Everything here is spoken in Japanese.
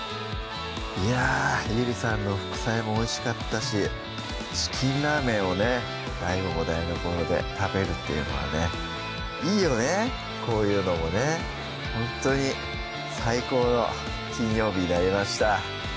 いやぁゆりさんの副菜もおいしかったし「チキンラーメン」をねＤＡＩＧＯいいよねこういうのもねほんとに最高の金曜日になりました